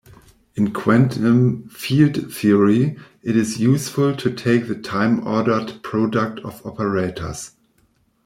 In quantum field theory it is useful to take the time-ordered product of operators.